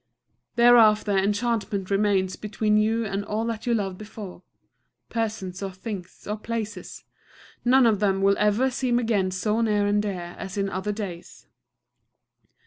Thereafter enchantment remains between you and all that you loved before, persons or things or places. None of them will ever seem again so near and dear as in other days.